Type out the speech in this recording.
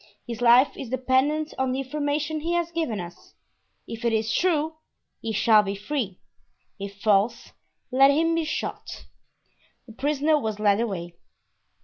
His life is dependent on the information he has given us; if it is true, he shall be free; if false, let him be shot." The prisoner was led away.